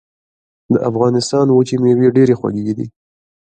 د افغانستان وچې مېوې ډېرې خوږې دي.